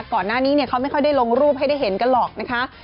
ก่อนหน้านี้เขาไม่ค่อยได้ลงรูปให้ได้เห็นกันหรอกนะคะ